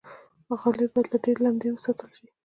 غالۍ باید له ډېرې لمدې وساتل شي.